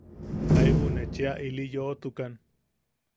Jaibu ne cheʼa ili yoʼotukan;.